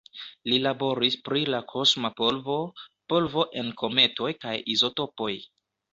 Li laboris pri la kosma polvo, polvo en kometoj kaj izotopoj.